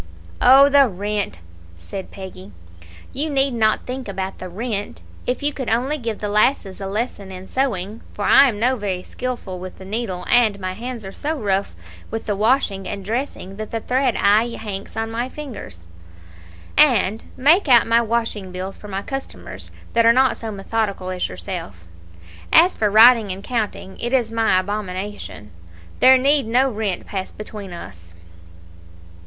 "Oh, the rent!" said Peggy; "you need not think about the rent, if you could only give the lasses a lesson in sewing (for I'm no very skilful with the needle, and my hands are so rough with the washing and dressing that the thread aye hanks on my fingers), and make out my washing bills for my Customers that are not so methodical as yourself. As for writing and counting, it is my abomination. There need no rent pass between us."